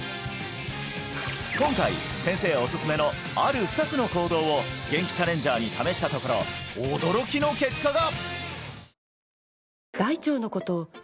今回先生おすすめのある２つの行動をゲンキチャレンジャーに試したところ驚きの結果が！